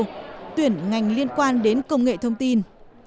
tuyển ngành liên quan đến công nghệ thông tin